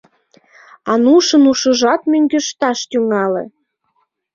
Анушын ушыжат мӧҥгешташ тӱҥале.